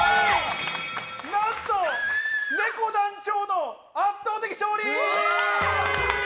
なんと、ねこ団長の圧倒的勝利！